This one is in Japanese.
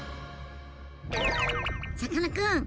さかなクン